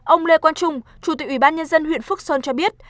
ông lê quang trung chủ tịch ủy ban nhân dân huyện phước sơn cho biết